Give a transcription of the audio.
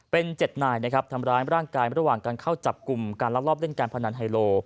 เป็น๗นายนะครับทำร้ายร่างกายระหว่างการเข้าจับกลุ่มการลักลอบเล่นการพนันไฮโล